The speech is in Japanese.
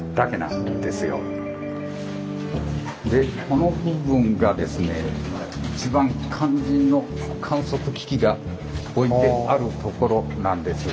この部分がですね一番肝心の観測機器が置いてあるところなんです。